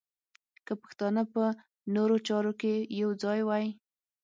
که پښتانه په نورو چارو کې یو ځای وای.